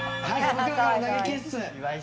僕らからの投げキッス！